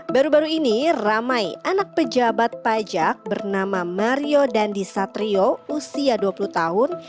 baru baru ini ramai anak pejabat pajak bernama mario dandi satrio usia dua puluh tahun